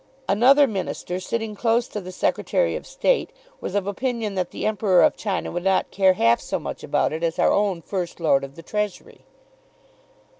Another minister sitting close to the Secretary of State was of opinion that the Emperor of China would not care half so much about it as our own First Lord of the Treasury.